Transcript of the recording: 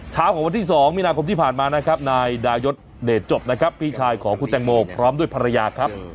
ของวันที่๒มีนาคมที่ผ่านมานะครับนายดายศเดชจบนะครับพี่ชายของคุณแตงโมพร้อมด้วยภรรยาครับ